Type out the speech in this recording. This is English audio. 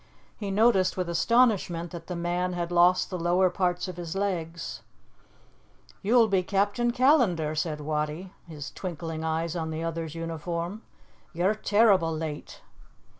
He noticed with astonishment that the man had lost the lower parts of his legs. "You'll be Captain Callandar," said Wattie, his twinkling eyes on the other's uniform; "you're terrible late."